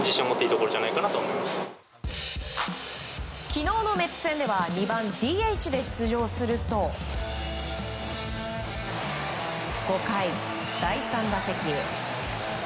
昨日のメッツ戦では２番ＤＨで出場すると５回、第３打席。